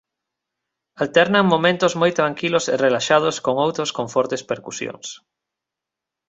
Alternan momentos moi tranquilos e relaxados con outros con fortes percusións.